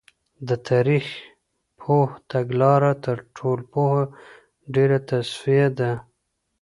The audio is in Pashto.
د تاریخ پوه تګلاره تر ټولنپوه ډېره توصیفي ده.